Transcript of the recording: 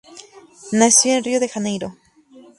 Nació en Río de Janeiro.